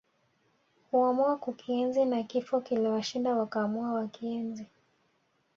Huamua kukienzi na Kifo kiliwashinda wakaamua wakienzi